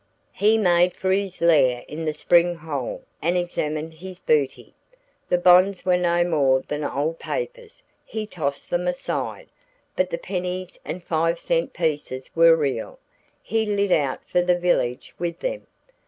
He made for his lair in the spring hole and examined his booty. The bonds were no more than old paper; he tossed them aside. But the pennies and five cent pieces were real; he lit out for the village with them.